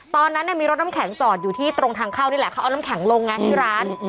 ตอนนั้นมีรถน้ำแข็งจอดอยู่ที่ตรงทางเข้านี่แหละเขาเอาน้ำแข็งลงไงที่ร้าน